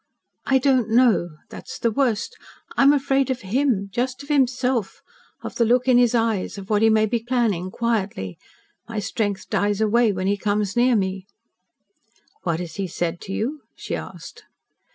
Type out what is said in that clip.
"I don't know. That is the worst. I am afraid of HIM just of himself of the look in his eyes of what he may be planning quietly. My strength dies away when he comes near me." "What has he said to you?" she asked.